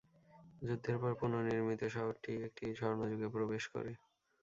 যুদ্ধের পরে পুনর্নির্মিত, শহরটি একটি "স্বর্ণযুগে" প্রবেশ করে।